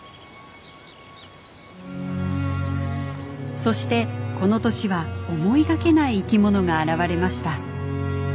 そしてこの年は思いがけない生き物が現れました。